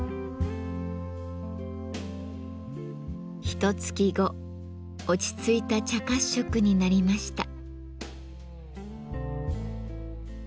ひとつき後落ち着いた茶褐色になりました。